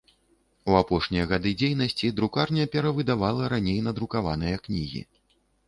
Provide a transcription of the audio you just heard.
У апошнія гады дзейнасці друкарня перавыдавала раней надрукаваныя кнігі.